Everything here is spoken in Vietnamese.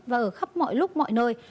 và ở khắp mọi lúc mọi nơi